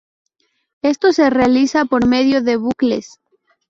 Esto se realiza por medio de bucles.